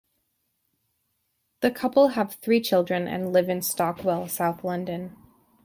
The couple have three children and lived in Stockwell, South London.